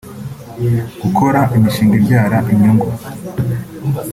gukora imishinga ibyara inyungu